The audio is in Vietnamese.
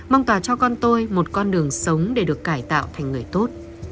mong tòa cho con tôi một con đường sống để được cải tạo thành người tốt